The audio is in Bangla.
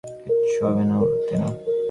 কিচ্ছু হবে না ওর, তাই না?